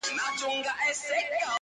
څوک یې وړونه څه خپلوان څه قریبان دي-